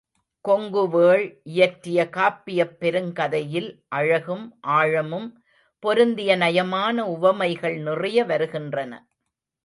கொங்குவேள் இயற்றிய காப்பியப் பெருங்கதையில் அழகும் ஆழமும் பொருந்திய நயமான உவமைகள் நிறைய வருகின்றன.